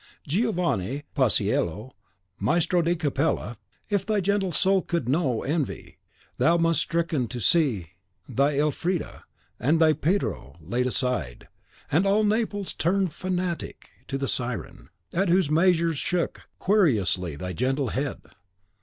Giovanni Paisiello, Maestro di Capella, if thy gentle soul could know envy, thou must sicken to see thy Elfrida and thy Pirro laid aside, and all Naples turned fanatic to the Siren, at whose measures shook querulously thy gentle head!